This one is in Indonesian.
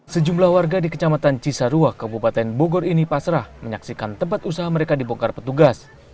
sejumlah warga di kecamatan cisarua kabupaten bogor ini pasrah menyaksikan tempat usaha mereka dibongkar petugas